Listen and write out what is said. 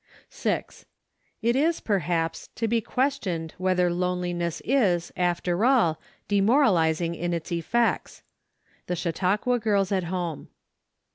40 APKIL. 6. It is, perhaps, to be questioned whether loneliuess is, after all, demoralizing in its effects. The Chautauqua Girls at Ilome.